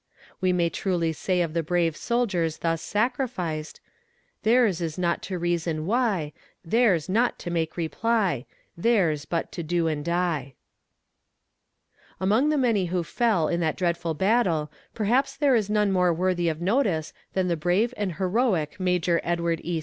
We may truly say of the brave soldiers thus sacrificed Their's not to reason why, Their's not to make reply, Their's but to do and die. Among the many who fell in that dreadful battle perhaps there is none more worthy of notice than the brave and heroic Major Edward E.